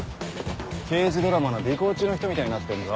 刑事ドラマの尾行中の人みたいになってんぞ。